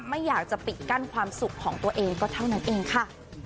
ไม่อยากจะปิดกั้นความสุขของตัวเองก็เท่านั้นเองค่ะ